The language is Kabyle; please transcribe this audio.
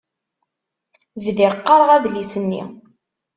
Bdiɣ qqareɣ adlis-nni.